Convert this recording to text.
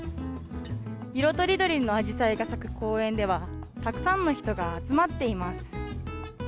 色とりどりのあじさいが咲く公園では、たくさんの人が集まっています。